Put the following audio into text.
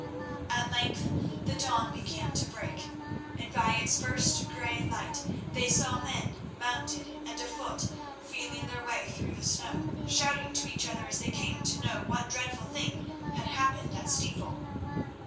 At length the dawn began to break, and by its first grey light they saw men mounted and afoot feeling their way through the snow, shouting to each other as they came to know what dreadful thing had happened at Steeple.